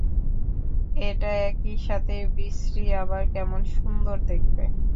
এটা একই সাথে বিশ্রী আবার কেমন সুন্দর দেখতে!